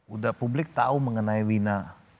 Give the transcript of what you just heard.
udah publik tahu mengenai wina